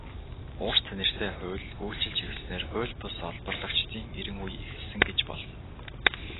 "Урт нэртэй хууль" үйлчилж эхэлснээр хууль бус олборлогчдын эрин үе эхэлсэн гэж болно.